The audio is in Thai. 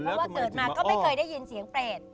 เพราะว่าเกิดมาก็ไม่เคยได้ยินเสียงเปรต